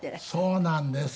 そうなんです。